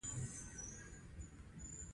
پر چا دعوه وکړي.